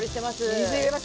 水入れます。